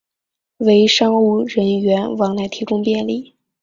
为商务人员往来提供便利